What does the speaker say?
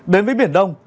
đến với biển đông